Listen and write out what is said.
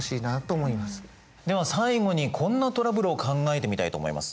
では最後にこんなトラブルを考えてみたいと思います。